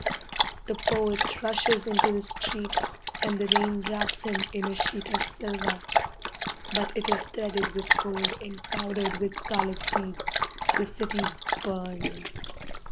The poet rushes into the street, and the rain wraps him in a sheet of silver. But it is threaded with gold and powdered with scarlet beads. The city burns.